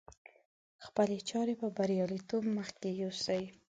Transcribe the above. خپلې چارې په برياليتوب مخکې يوسي.